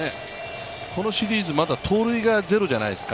このシリーズ、まだ盗塁がゼロじゃないですか。